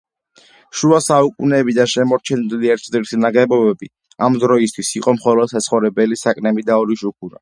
შუა საუკუნეებიდან შემორჩენილი ერთადერთი ნაგებობები ამ დროისთვის იყო მხოლოდ საცხოვრებელი საკნები და ორი შუქურა.